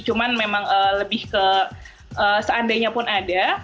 cuman memang lebih ke seandainya pun ada